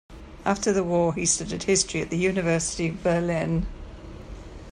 After the War he studied History at the University of Berlin.